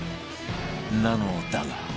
なのだが